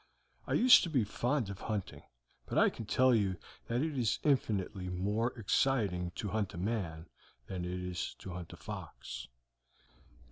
I used to be fond of hunting, but I can tell you that it is infinitely more exciting to hunt a man than it is to hunt a fox.